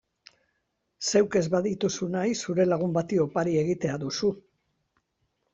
Zeuk ez badituzu nahi zure lagun bati opari egitea duzu.